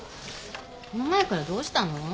この前からどうしたの？